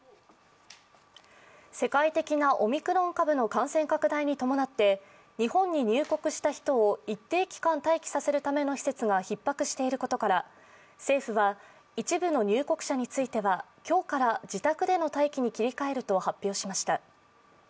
世界的なオミクロン株の感染拡大に伴って日本に入国した人を一定期間待機させるための施設がひっ迫していることから、政府は一部の入国者については、今日から自宅での待機に切り替えると発表しました。